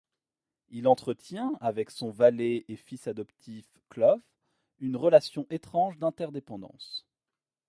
Il entretient avec son valet et fils adoptif Clov une relation étrange d'interdépendance.